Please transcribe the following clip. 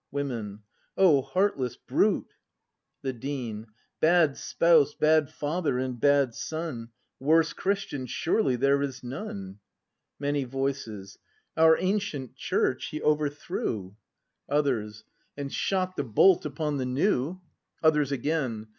Women. O heartless brute! The Dean. Bad spouse, bad father, and bad son, — Worse Christian surely there is none! Many Voices. Our ancient Church he overthrew! 280 BRAND [act v Others. And shot the bolt upon the new! Others Again.